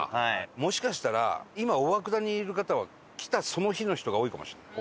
もしかしたら今、大涌谷にいる方は来た、その日の人が多いかもしれない。